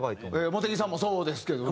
茂木さんもそうですけどね。